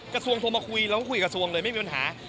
กระทรวงโทรมาคุยเราก็คุยกับกระทรวงเลยไม่มีปัญหา